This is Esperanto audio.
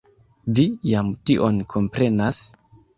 Vi jam tion komprenas?